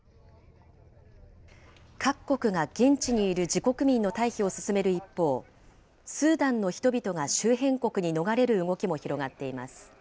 各国が現地にいる自国民の退避を進める一方、スーダンの人々が周辺国に逃れる動きも広がっています。